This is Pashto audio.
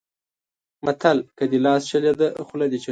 متل؛ که دې لاس چلېد؛ خوله دې چلېږي.